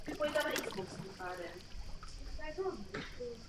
Byl bez soudu zastřelen v koncentračním táboře v Mauthausenu.